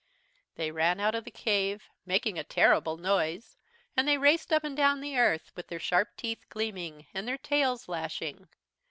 "They ran out of the cave, making a terrible noise, and they raced up and down the earth, with their sharp teeth gleaming, and their tails lashing.